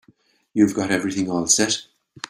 You've got everything all set?